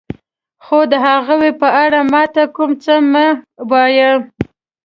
خو د هغوی په اړه ما ته کوم څه مه وایه.